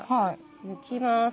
抜きます。